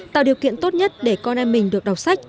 tạo điều kiện tốt nhất để con em mình được đọc sách